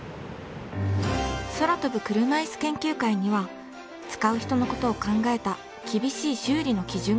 空飛ぶ車いす研究会には使う人のことを考えた厳しい修理の基準があります。